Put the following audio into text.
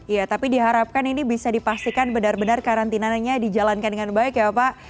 ya tapi diharapkan ini bisa dipastikan benar benar karantinanya dijalankan dengan baik ya pak